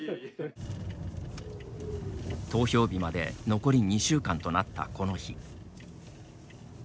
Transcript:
投票日まで残り２週間となったこの日。